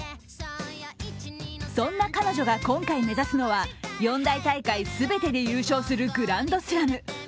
そんな彼女が今回目指すのは４大大会全てで優勝するグランドスラム。